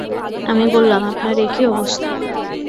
আমি বললাম, আপনার এ কী অবস্থা!